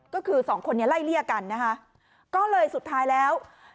ก็คือสองคนนี้ไล่เลี่ยกันนะคะก็เลยสุดท้ายแล้ว